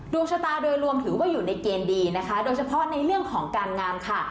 ดวงชะตาโดยรวมถือว่าอยู่ในเกณฑ์ดีนะคะโดยเฉพาะในเรื่องของการงานค่ะ